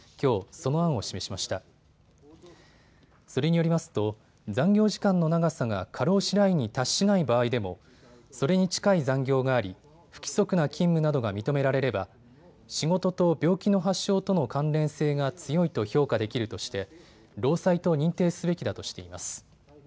それによりますと残業時間の長さが過労死ラインに達しない場合でもそれに近い残業があり不規則な勤務などが認められれば仕事と病気の発症との関連性が強いと評価できるとして労災と認定すべきだとしています。